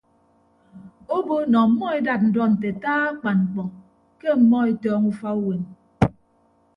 Obo nọ ọmmọ edat ndọ nte ataa akpan mkpọ ke ọmmọ etọọñọ ufa uwem.